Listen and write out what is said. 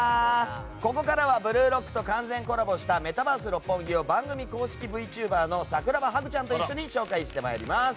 ここからは「ブルーロック」と完全コラボしたメタバース六本木を番組公式ＶＴｕｂｅｒの桜葉ハグちゃんと一緒にご紹介していきます。